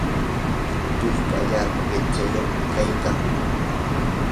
tullpa allapa qityayuqmi kaykan.